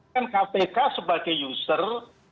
kan kpk sebagai user